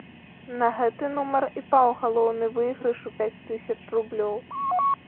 На гэты нумар і паў галоўны выйгрыш у пяць тысяч рублёў.